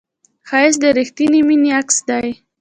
ښایست د رښتینې مینې عکس دی